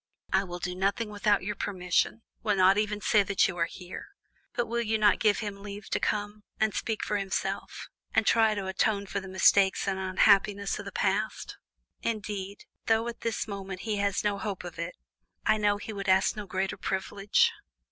I will do nothing without your permission; will not even say that you are here; but will you not give him leave to come, and speak for himself, and try to atone for the mistakes and unhappiness of the past? Indeed, though at this moment he has no hope of it, I know that he would ask no greater privilege."